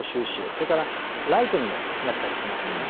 それからライトにもなったりしますよね。